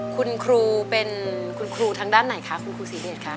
คุณครูเป็นคุณครูทางด้านไหนคะคุณครูศรีเดชคะ